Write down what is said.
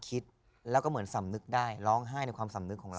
คิดแล้วก็เหมือนสำนึกได้ร้องไห้ในความสำนึกของเรา